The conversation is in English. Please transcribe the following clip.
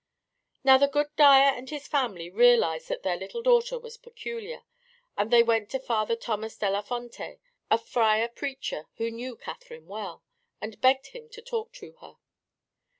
Now the good dyer and his wife realized that their little daughter was peculiar, and they went to Father Thomas della Fonte, a friar preacher who knew Catherine well, and begged him to talk to her.